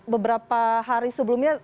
beberapa hari sebelumnya